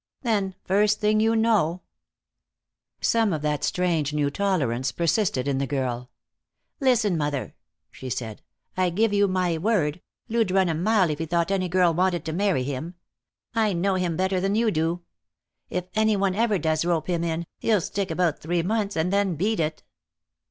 Then, first thing you know " Some of that strange new tolerance persisted in the girl. "Listen, mother," she said. "I give you my word, Lou'd run a mile if he thought any girl wanted to marry him. I know him better than you do. If any one ever does rope him in, he'll stick about three months, and then beat it."